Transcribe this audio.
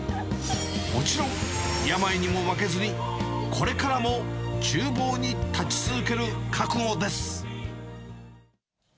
もちろん病にも負けずに、これからもちゅう房に立ち続ける覚悟です。